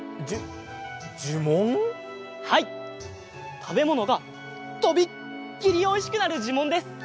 たべものがとびっきりおいしくなるじゅもんです。